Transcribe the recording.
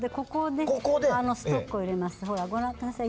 ここでストックを入れます。